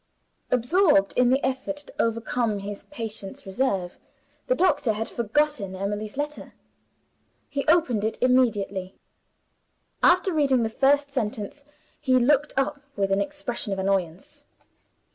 Absorbed in the effort to overcome his patient's reserve, the doctor had forgotten Emily's letter. He opened it immediately. After reading the first sentence, he looked up with an expression of annoyance.